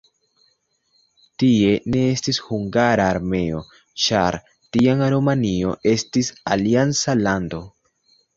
Tie ne estis hungara armeo, ĉar tiam Rumanio estis alianca lando.